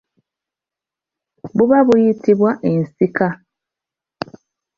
Buba buyitibwa ensika.